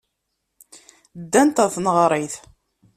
Ddant ɣer tneɣrit.